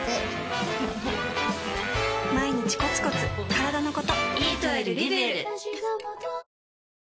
毎日コツコツからだのこと